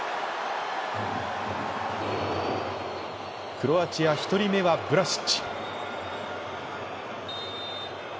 クロアチア１人目はブラシッチ。